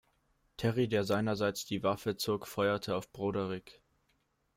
Terry, der seinerseits die Waffe zog, feuerte auf Broderick.